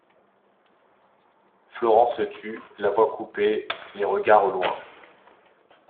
Florent se tut, la voix coupée, les regards au loin.